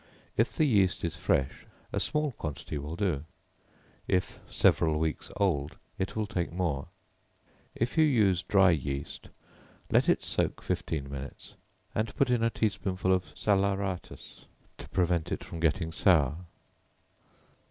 If the yeast is fresh, a small quantity will do; if several weeks old, it will take more. If you use dry yeast, let it soak fifteen minutes, and put in a tea spoonful of salaeratus to prevent it from getting sour.